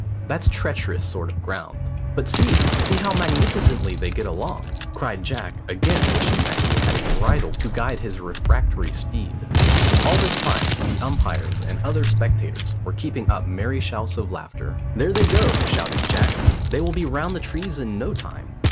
"That's treacherous sort of ground." "But see, see how magnificently they get along," cried Jack, again wishing that he had a bridle to guide his refractory steed. All this time the umpires and other spectators were keeping up merry shouts of laughter. "There they go," shouted Jack; "they will be round the trees in no time."